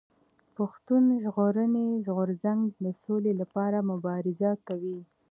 پښتون ژغورني غورځنګ د سولي لپاره مبارزه کوي.